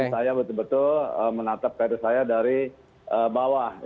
saya betul betul menatap karir saya dari bawah